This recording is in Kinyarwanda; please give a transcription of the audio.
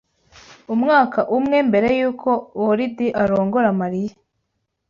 umwaka umwe mbere yuko Woridi arongora Mariya